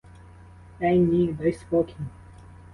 Е, ні, дай спокій!